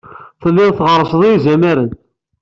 Telliḍ tɣerrseḍ i yizamaren.